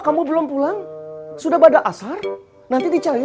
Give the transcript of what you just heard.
kalau dia nguburinhein